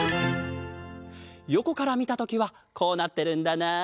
よこからみたときはこうなってるんだなあ。